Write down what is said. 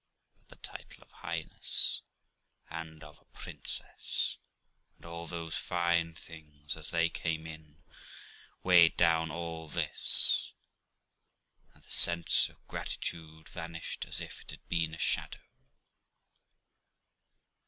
But the title of highness, and of a princess, and all those fine things, as they came in, weighed down all this ; and the sense of gratitude vanished as if it had been a shadow.